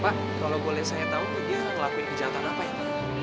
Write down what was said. pak kalau boleh saya tahu dia ngelakuin kejahatan apa ya pak